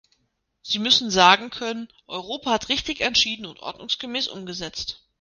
Sie müssen sagen können, Europa hat richtig entschieden und ordnungsgemäß umgesetzt.